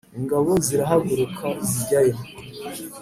ingabo zirahaguruka zijyayo